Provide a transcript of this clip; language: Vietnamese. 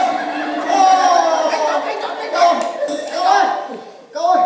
cậu mặt quá cậu ơi